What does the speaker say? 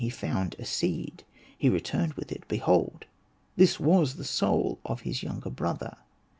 He found a seed. He returned with it. Behold this was the soul of his younger brother.